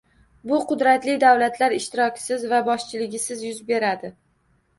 Bu qudratli davlatlar ishtirokisiz va boshchiligisiz yuz beradi.